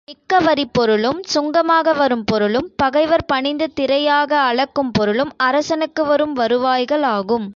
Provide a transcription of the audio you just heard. மிக்க வரிப்பொருளும், சுங்கமாக வரும் பொருளும், பகைவர் பணிந்து திறையாக அளக்கும் பொருளும் அரசனுக்கு வரும் வருவாய்கள் ஆகும்.